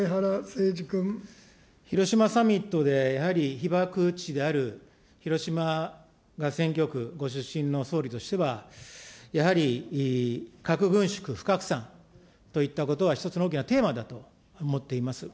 広島サミットで、やはり被爆地である広島が選挙区、ご出身の総理としては、やはり核軍縮、不拡散といったことは一つの大きなテーマだと思っています。